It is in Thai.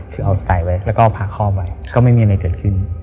คือเอาใส่ไว้แล้วก็พาคล่อไว้ก็ไม่มีอะไรเกิดขึ้น